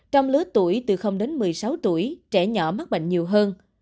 trong lứa tuổi từ đến một mươi sáu tuổi trẻ nhỏ mắc bệnh nhiều hơn